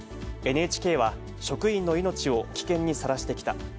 ＮＨＫは職員の命を危険にさらしてきた。